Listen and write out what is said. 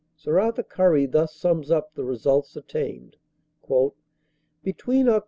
Sir Arthur Currie thus sums up the results attained : "Between Oct.